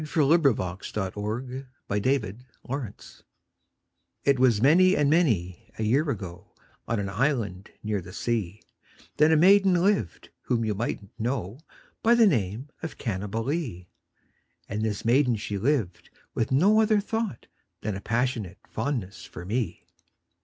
V^ Unknown, } 632 Parody A POE 'EM OF PASSION It was many and many a year ago, On an island near the sea, That a maiden lived whom you migbtnH know By the name of Cannibalee; And this maiden she lived with no other thought Than a passionate fondness for me.